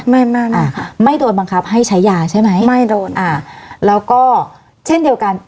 ไม่ไม่ค่ะไม่โดนบังคับให้ใช้ยาใช่ไหมไม่โดนอ่าแล้วก็เช่นเดียวกัน